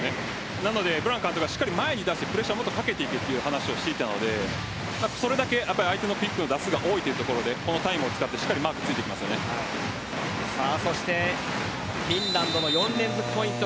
なのでブラン監督は前に出してプレッシャーをかけていけという話をしていたのでそれだけ相手のクイックの打数が多いということでこのタイムを使ってそしてフィンランドの４連続ポイント